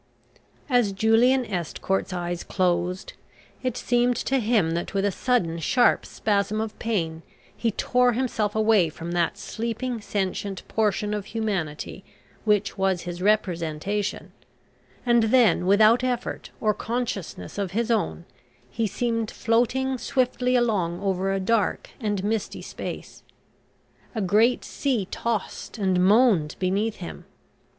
As Julian Estcourt's eyes closed, it seemed to him that with a sudden sharp spasm of pain he tore himself away from that sleeping sentient portion of humanity which was his representation, and then, without effort or consciousness of his own, he seemed floating swiftly along over a dark and misty space. A great sea tossed and moaned beneath him.